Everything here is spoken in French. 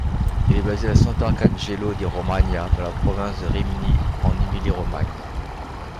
Il est basé à Santarcangelo di Romagna, dans la province de Rimini en Émilie-Romagne.